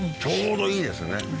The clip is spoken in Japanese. ちょうどいいですね。